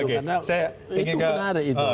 karena itu benar itu